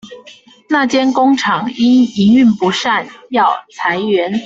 那間工廠因營運不善要裁員